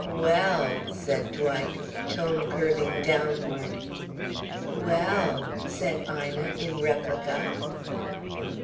"Well!" said Dwight, tone curving downward. "Well!" said Ina, in replica.